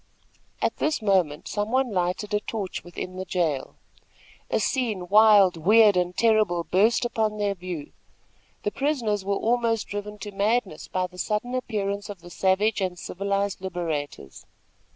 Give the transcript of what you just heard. At this moment some one lighted a torch within the jail. A scene, wild, weird and terrible burst upon their view. The prisoners were almost driven to madness by the sudden appearance of the savage and civilized liberators.